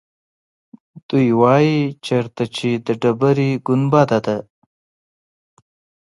دوی وایيچېرته چې د ډبرې ګنبده ده.